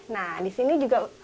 nah di sini juga